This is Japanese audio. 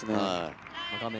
画面